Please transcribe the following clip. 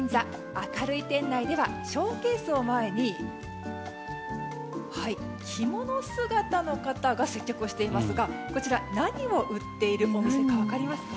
明るい店内ではショーケースを前に着物姿の方が接客をしていますが何を売っているお店か分かりますか？